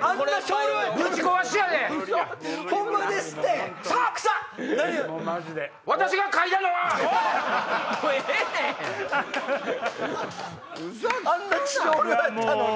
あんな少量やったのに。